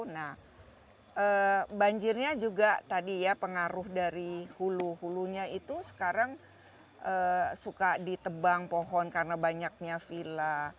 nah banjirnya juga tadi ya pengaruh dari hulu hulunya itu sekarang suka ditebang pohon karena banyaknya villa